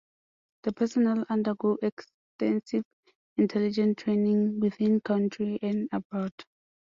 The personnel undergo extensive intelligence training within country and abroad.